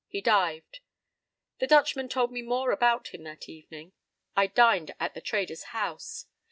He dived. The Dutchman told me more about him that evening. I dined at the trader's house.